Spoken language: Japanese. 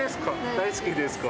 大好きですか？